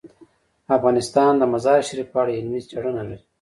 افغانستان د مزارشریف په اړه علمي څېړنې لري.